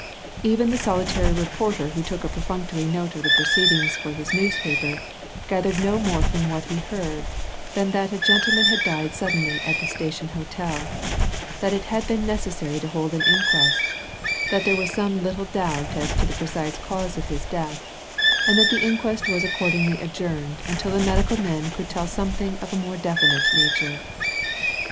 Even the solitary reporter who took a perfunctory note of the proceedings for his newspaper gathered no more from what he heard than that a gentleman had died suddenly at the Station Hotel, that it had been necessary to hold an inquest, that there was some little doubt as to the precise cause of his death, and that the inquest was accordingly adjourned until the medical men could tell something of a more definite nature.